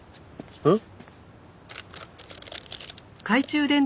えっ？